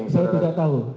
saya tidak tahu